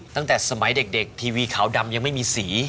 ตั้งแต่สมัยเด็กทีวีขาวดำยังไม่มีสี